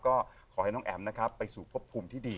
ก็ขอให้น้องแอ๋มนะครับไปสู่พบภูมิที่ดี